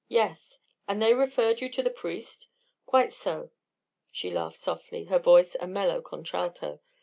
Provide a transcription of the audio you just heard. "Yes." "And they referred you to the priest? Quite so." She laughed softly, her voice a mellow contralto.